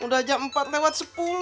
udah jam empat lewat sepuluh